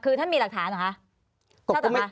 คือท่านมีหลักฐานเหรอคะ